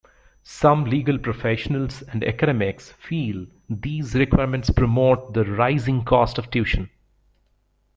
Some legal professionals and academics feel these requirements promote the rising cost of tuition.